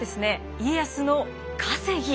家康の稼ぎ